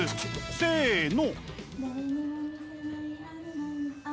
せの。